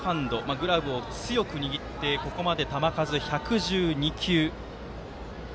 グラブを強く握ってここまで球数１１２球。